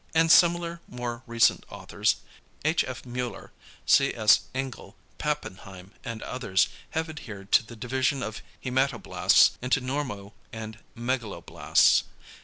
And similarly more recent authors, H. F. Müller, C. S. Engel, Pappenheim and others, have adhered to the division of hæmatoblasts into normo and megaloblasts.